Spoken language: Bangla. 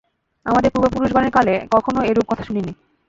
আমাদের পূর্ব-পুরুষগণের কালে কখনও এরূপ কথা শুনিনি।